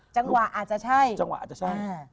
จังหวะอาจจะใช่